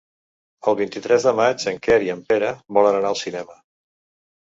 El vint-i-tres de maig en Quer i en Pere volen anar al cinema.